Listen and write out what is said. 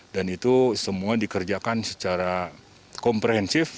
dan itu semua dikerjakan secara komprehensif